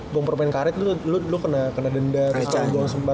buang permain karet lo kena denda